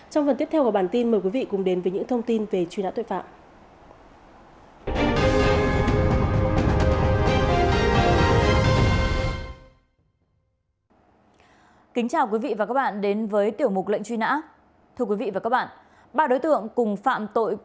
trong phần tiếp theo của bản tin mời quý vị cùng đến với những thông tin về truy nã tội phạm